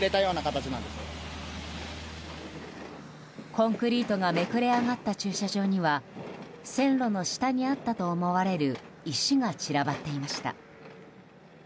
コンクリートがめくれ上がった駐車場には線路の下にあったと思われる石が散らばっていました。